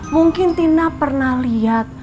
mungkin tina pernah liat